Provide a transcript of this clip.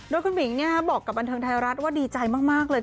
โดยคุณหมิงบอกกับบันเทิงไทยรัฐว่าดีใจมากเลย